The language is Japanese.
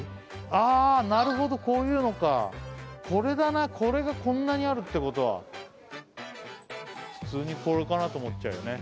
ああーなるほどこういうのかこれだなこれがこんなにあるってことは普通にこれかなと思っちゃうよね